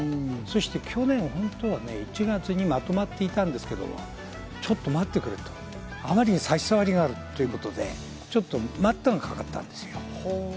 去年、本当は１月にまとまっていたんですけど、ちょっと待ってくれと、あまりに差し障りがあるということで待ったがかかったんです。